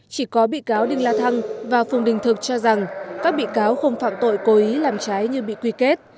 chỉ có bị cáo đinh la thăng và phùng đình thực cho rằng các bị cáo không phạm tội cố ý làm trái như bị quy kết